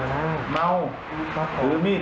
เราต้องเป็นคนดี